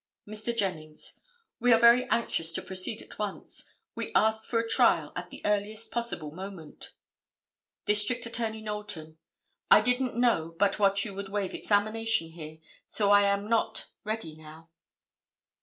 Mr. Jennings—"We are very anxious to proceed at once. We ask for a trial at the earliest possible moment." District Attorney Knowlton—"I didn't know but what you would waive examination here, so I am not ready now."